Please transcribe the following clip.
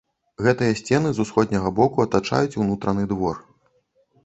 Гэтыя сцены з усходняга боку атачаюць унутраны двор.